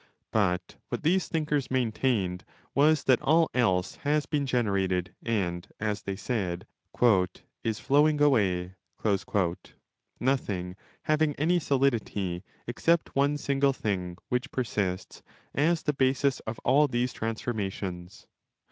But what these thinkers maintained was that all else has been generated and, as they said, ' is 30 flowing away', nothing having any solidity, except one single thing which persists as the basis of all these trans formations.